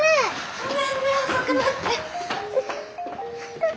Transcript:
ごめんね遅くなって。